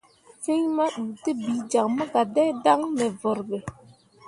Fîi maduutǝbiijaŋ mo gah dai dan me vurɓe.